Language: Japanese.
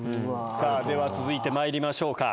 では続いてまいりましょうか。